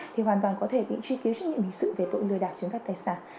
thì hoàn toàn có thể bị truy ký trách nhiệm hình sự về tội lừa đạt cho họ